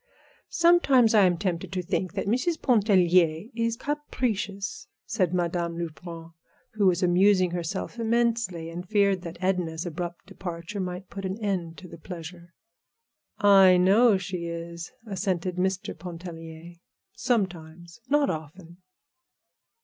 "Sometimes I am tempted to think that Mrs. Pontellier is capricious," said Madame Lebrun, who was amusing herself immensely and feared that Edna's abrupt departure might put an end to the pleasure. "I know she is," assented Mr. Pontellier; "sometimes, not often."